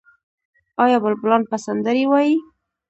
آیا بلبلان به سندرې ووايي؟